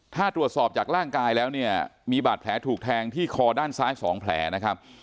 ถ้าตรวจสอบจากร่างกายแล้วเนี่ยมีบาดแผลถูกแทงที่คอด้านซ้าย๒แผลนะครับ